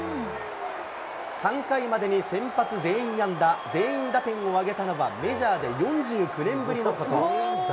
３回までに先発全員安打、全員打点を挙げたのは、メジャーで４９年ぶりのこと。